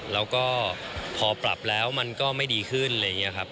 แล้วก็พอปรับแล้วมันก็ไม่ดีขึ้นอะไรอย่างนี้ครับ